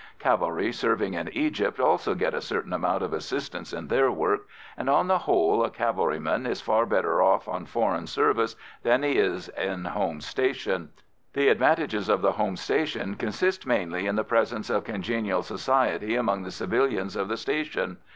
Cavalry serving in Egypt also get a certain amount of assistance in their work, and, on the whole, a cavalryman is far better off on foreign service than he is in a home station. The advantages of the home station consist mainly in the presence of congenial society among the civilians of the station.